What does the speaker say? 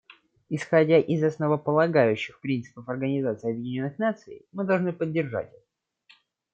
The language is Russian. Исходя из основополагающих принципов Организации Объединенных Наций, мы должны поддержать их.